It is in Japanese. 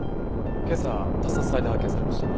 今朝他殺体で発見されました。